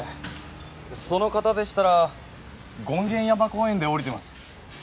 その方でしたら権現山公園で降りてます。